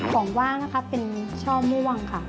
ของว่างนะคะเป็นช่อม่วงค่ะ